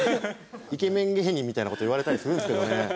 イケメン芸人みたいな事言われたりするんですけどね。